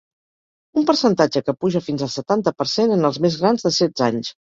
Un percentatge que puja fins al setanta per cent en els més grans de setze anys.